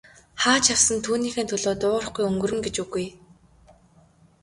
Хаа ч явсан түүнийхээ төлөө дуугарахгүй өнгөрнө гэж үгүй.